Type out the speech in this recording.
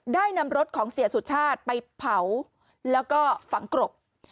ได้นำรถของเสียสุชาติไปเผาแล้วก็ฝังกรบ